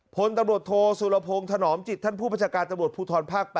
พลตำรวจโทสุรพงศ์ถนอมจิตท่านผู้ประชาการตำรวจภูทรภาค๘